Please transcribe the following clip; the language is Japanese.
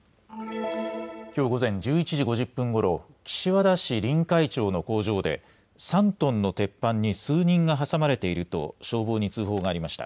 きょう午前１１時５０分ごろ、岸和田市臨海町の工場で３トンの鉄板に数人が挟まれていると消防に通報がありました。